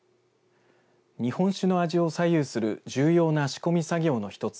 日本酒の味を左右する重要な仕込み作業の一つ